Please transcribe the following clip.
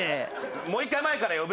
もう１回前から呼べ。